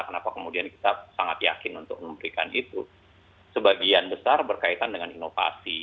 kenapa kemudian kita sangat yakin untuk memberikan itu sebagian besar berkaitan dengan inovasi